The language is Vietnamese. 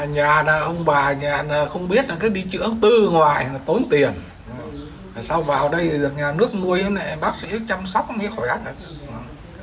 nhà ông bà không biết đi chữa từ ngoài tốn tiền sao vào đây được nhà nước mua bác sĩ chăm sóc mới khỏe